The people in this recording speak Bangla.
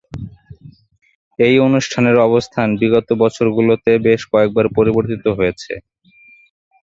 এই অনুষ্ঠানের অবস্থান বিগত বছরগুলোতে বেশ কয়েকবার পরিবর্তিত হয়েছে।